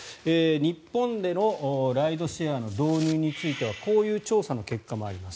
日本でのライドシェアの導入についてはこういう調査の結果もあります。